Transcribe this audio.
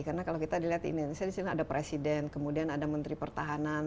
karena kalau kita lihat ini disini ada presiden kemudian ada menteri pertahanan